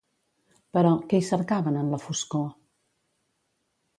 Però, què hi cercaven en la foscor?